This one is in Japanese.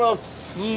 うん。